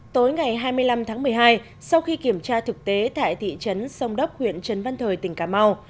tối ngày hai mươi năm tháng một mươi hai sau khi kiểm tra thực tế tại thị trấn sông đốc huyện trần văn thời tỉnh cà mau